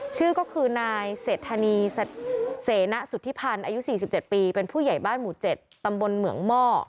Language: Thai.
ชื่อก็คือนายเศรษฐนีเสนะสุธิพันธ์อายุ๔๗ปีเป็นผู้ใหญ่บ้านหมู่๗ตำบลเหมืองหม้อ